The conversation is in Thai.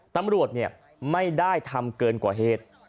ตำรวจไม่ได้ทำเกินกว่าเหตุ